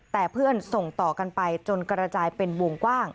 แต่เพื่อนส่งต่อกันไปจนกระจายเป็นวงกว้าง